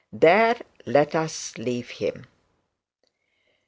There let us leave him.